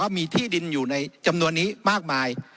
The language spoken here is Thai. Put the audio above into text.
มีที่ดินอยู่ในจำนวนนี้มากมาย